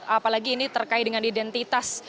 apalagi ini terkait dengan identitas